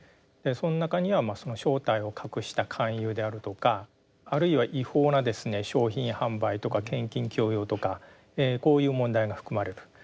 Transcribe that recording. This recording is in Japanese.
その中には正体を隠した勧誘であるとかあるいは違法な商品販売とか献金強要とかこういう問題が含まれる。